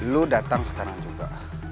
lo datang sekarang juga